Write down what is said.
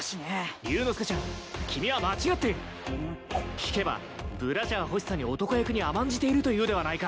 聞けばブラジャー欲しさに男役に甘んじているというではないか。